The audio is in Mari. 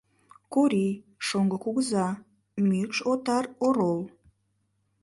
Корий — шоҥго кугыза, мӱкш отар орол.